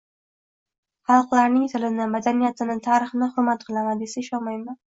xalqlarningtilini, madaniyatini, tarixini hurmat qilaman, desa ishonmayman.